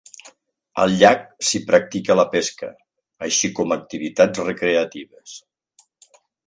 Al llac s'hi practica la pesca, així com activitats recreatives.